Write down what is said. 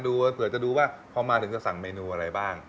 เผื่อจะดูว่าพอมาถึงจะสั่งเมนูอะไรบ้าง